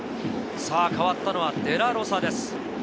代わったのはデラロサです。